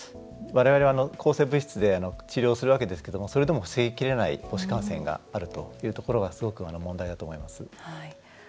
我々は抗生物質で治療するわけですがそれでも防ぎきれない母子感染があるのがすごく問題だと思います。